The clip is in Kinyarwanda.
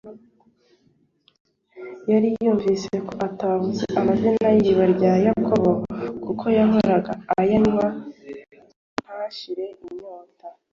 Yari yumvise ko atavuze amazi y'iriba rya Yakobo, kuko yahoraga ayanywa ntashire inyota.